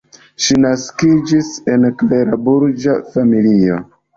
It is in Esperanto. Ŝi naskiĝis en klera burĝa familio.